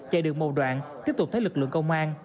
chạy được một đoạn tiếp tục thấy lực lượng công an